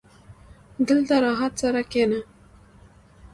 • دلته راحت سره کښېنه.